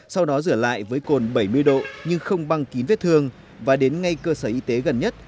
sau đó rửa lại với cồn bảy mươi độ nhưng không băng kín vết thương và đến ngay cơ sở y tế gần nhất